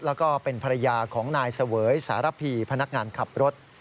แล้วก็เป็นภรรยาของนายเสวยสารพีพนักงานขับรถ